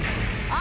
あ！